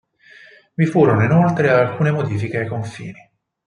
Vi furono inoltre alcune modifiche ai confini.